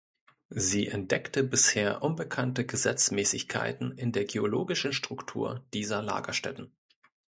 Sie entdeckte bisher unbekannte Gesetzmäßigkeiten in der geologischen Struktur dieser Lagerstätten.